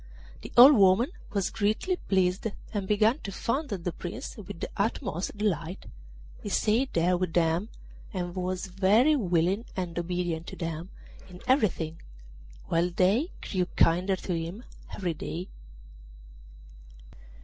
The old woman was greatly pleased, and began to fondle the Prince with the utmost delight. He stayed there with them, and was very willing and obedient to them in everything, while they grew kinder to him every day.